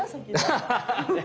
アハハハ。